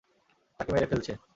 তাকে মেরে ফেলছে।